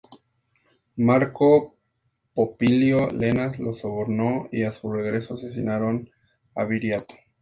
Marco Popilio Lenas los sobornó y a su regreso asesinaron a Viriato.